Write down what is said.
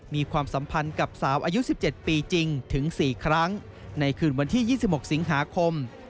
ความสัมพันธ์กับสาวอายุ๑๗ปีจริงถึง๔ครั้งในคืนวันที่๒๖สิงหาคม